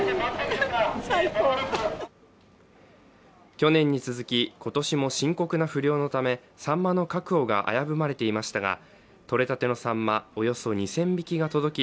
去年に続き今年も深刻な不漁のためさんまの確保が危ぶまれていましたが取れたてのさんま、およそ２０００匹が届き